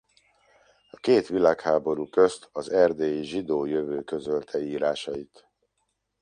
A két világháború közt az erdélyi Zsidó Jövő közölte írásait.